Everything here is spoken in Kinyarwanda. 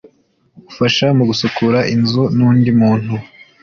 ufasha mu gusukura inzu n'undi muntu